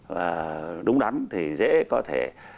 và đúng đắn thì dễ có thể